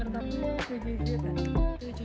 menurut aku tujuh juta